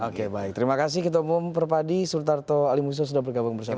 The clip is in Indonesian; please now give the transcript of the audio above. oke baik terima kasih ketua umum perpadi sultarto alimusio sudah bergabung bersama kami